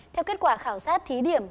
theo kết quả khảo sát thí điểm